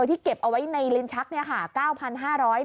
ที่เก็บเอาไว้ในลิ้นชัก๙๕๐๐บาท